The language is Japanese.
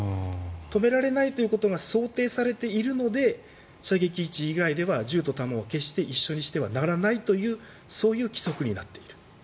止められないということが想定されているので射撃位置以外では銃と弾を決して一緒にしてはならないというそういう規則になっている。